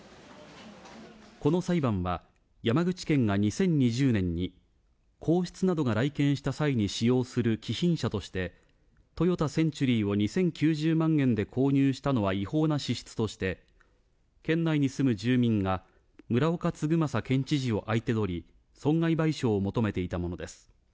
この裁判は、山口県が２０２０年に、皇室などが来県した際に使用する貴賓車として、トヨタ・センチュリーを２０９０万円で購入したのは違法な支出として、県内に住む住民が村岡嗣政県知事を相手取り、損害賠償を求めていたものです。